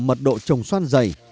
mật độ trồng xoan dày